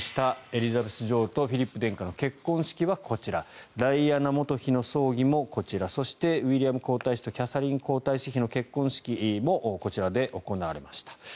エリザベス女王とフィリップ殿下の結婚式はこちらダイアナ元妃の葬儀もこちらそして、ウィリアム皇太子とキャサリン皇太子妃の結婚式もこちらで行われました。